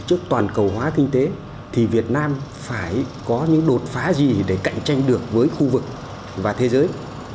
trước toàn cầu hóa kinh tế thì việt nam phải có những đột phá gì để cạnh tranh được với khu vực và thế giới